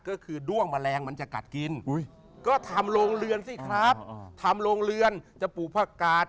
ก็คือด้วงแมลงมันจะกัดกินก็ทำโรงเรือนสิครับทำโรงเรือนจะปลูกผักกาด